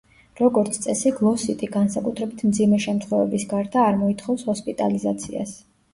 როგორც წესი, გლოსიტი, განსაკუთრებით მძიმე შემთხვევების გარდა, არ მოითხოვს ჰოსპიტალიზაციას.